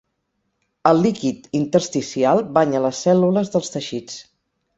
El líquid intersticial banya les cèl·lules dels teixits.